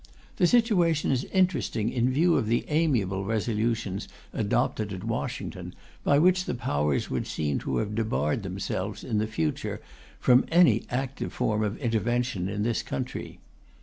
The situation is interesting in view of the amiable resolutions adopted at Washington, by which the Powers would seem to have debarred themselves, in the future, from any active form of intervention in this country.